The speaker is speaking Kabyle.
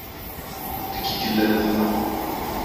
D nekk ay yellan nehhṛeɣ.